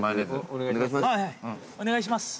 お願いします？